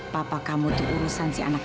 papa kamu itu urusan si anak